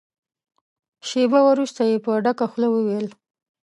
شېبه وروسته يې په ډکه خوله وويل.